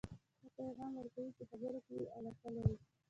دا پیغام ورکوئ چې خبرو کې یې علاقه لرئ